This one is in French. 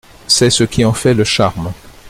C’est ce qui en fait le charme.